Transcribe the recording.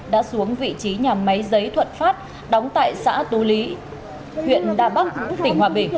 đã xuống vị trí nhà máy giấy thuận phát đóng tại xã tú lý huyện đà bắc tỉnh hòa bình